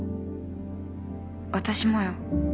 私もよ。